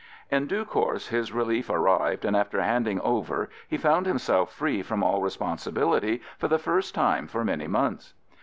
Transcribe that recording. In due course his relief arrived, and after handing over he found himself free from all responsibility for the first time for many months.